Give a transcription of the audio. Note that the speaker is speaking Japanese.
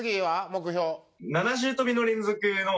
目標。